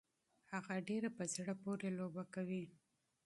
هغه ډيره په زړه پورې لوبه کوي.